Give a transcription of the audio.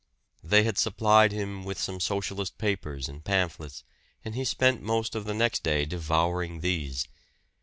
They had supplied him with some Socialist papers and pamphlets, and he spent most of the next day devouring these.